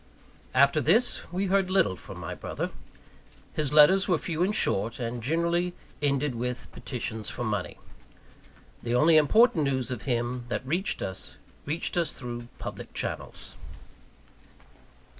After this, we heard little from my brother. His letters were few and short, and generally ended with petitions for money. The only important news of him that reached us, reached us through public channels.